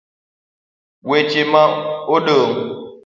weche ma dongo: